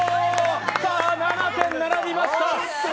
さぁ、７点並びました。